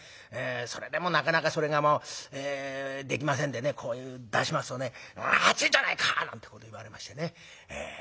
それでもなかなかそれがもうできませんでねこういうふうに出しますとね「熱いじゃないか！」なんてこと言われましてね。